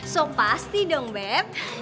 so pasti dong beb